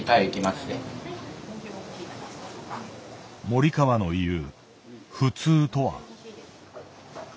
森川の言う「普通」とは。